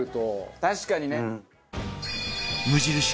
確かにね。